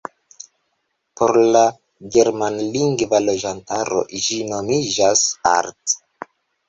Por la germanlingva loĝantaro ĝi nomiĝas "Alt".